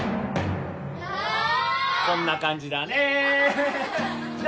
こんな感じだねじゃ